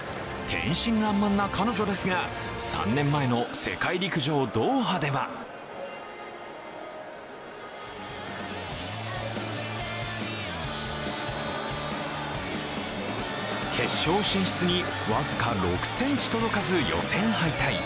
天真爛漫な彼女ですが、３年前の世界陸上ドーハでは決勝進出に僅か６ｃｍ届かず予選敗退。